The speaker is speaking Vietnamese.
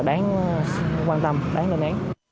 đáng quan tâm đáng lên án